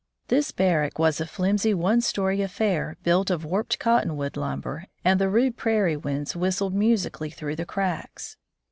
This barrack was a flimsy one story affair built of warped cottonwood lumber, and the rude prairie winds whistled musically through the cracks.